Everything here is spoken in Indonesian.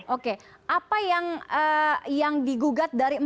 oke apa yang digugat dari empat ratus tujuh puluh